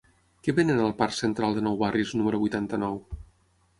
Què venen al parc Central de Nou Barris número vuitanta-nou?